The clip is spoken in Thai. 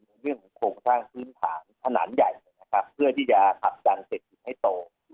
ในเรื่องของโครงสร้างพื้นฐานขนาดใหญ่นะครับเพื่อที่จะขับจังเศรษฐ์ให้โต